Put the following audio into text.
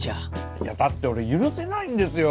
いやだって俺許せないんですよ。